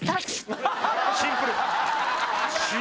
シンプル！